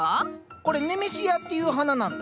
これネメシアっていう花なんだ。